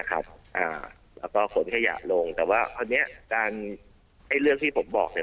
แล้วก็ขนขยะลงแต่ว่าคราวนี้การไอ้เรื่องที่ผมบอกเนี่ย